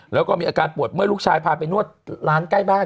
แล้วก็มีอาการปวดเมื่อลูกชายพาไปนวดร้านใกล้บ้าน